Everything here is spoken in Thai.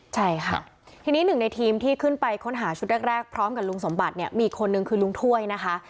ใช่ค่ะทีนี้หนึ่งในทีมที่ขึ้นไปค้นหาชุดแรกพร้อมกับลุงสมบัติเนี่ยมีอีกคนนึงคือลุงถ้วยนะคะ